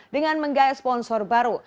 dengan menggaya sponsor baru